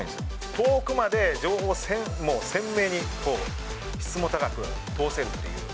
遠くまで情報を鮮明に、質も高く通せるっていう。